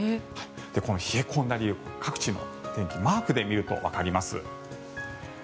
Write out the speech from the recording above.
この冷え込んだ理由各地の天気をマークで見るとわかります。